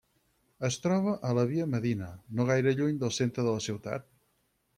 Es troba a la via Medina, no gaire lluny del centre de la ciutat.